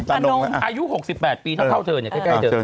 อายุ๖๘ปีเท่าเธอใกล้เธอ